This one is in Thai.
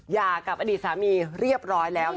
หย่ากับอดีตสามีเรียบร้อยแล้วนะคะ